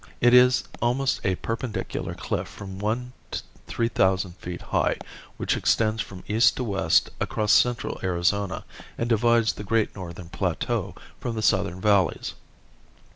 It is almost a perpendicular cliff from one to three thousand feet high which extends from east to west across central Arizona and divides the great northern plateau from the southern valleys.